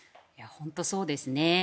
本当にそうですね。